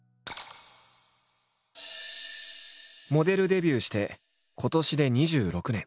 モデルデビューして今年で２６年。